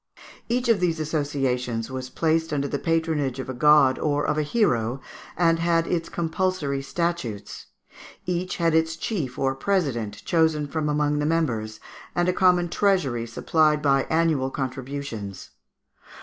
Each of these associations was placed under the patronage of a god or of a hero, and had its compulsory statutes; each had its chief or president chosen from among the members, and a common treasury supplied by annual contributions.